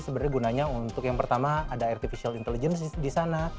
sebenarnya gunanya untuk yang pertama ada artificial intelligence di sana